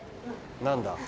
何だ？